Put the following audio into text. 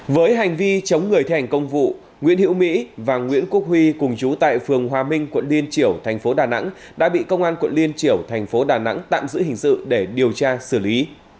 với hành vi chống người thể hành công vụ nguyễn hiễu mỹ và nguyễn quốc huy cùng chú tại phường hòa minh quận liên triểu tp đà nẵng đã bị công an quận liên triểu tp đà nẵng tạm giữ hình sự để điều tra xử lý